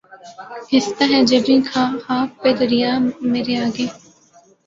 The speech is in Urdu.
گھستا ہے جبیں خاک پہ دریا مرے آگے